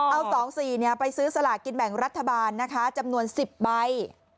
เอา๒๔ไปซื้อสลากินแบ่งรัฐบาลนะคะจำนวน๑๐ใบ